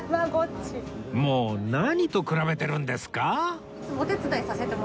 もう何と比べてるんですか！